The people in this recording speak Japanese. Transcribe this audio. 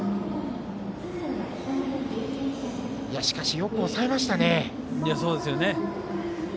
しかし、よく抑えましたね。